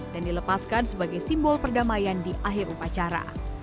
dilepaskan sebagai simbol perdamaian di akhir upacara